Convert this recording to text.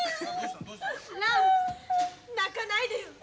ラン泣かないでよ。